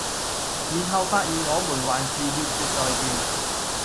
然後發現我們還是要說再見